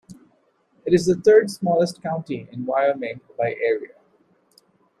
It is the third-smallest county in Wyoming by area.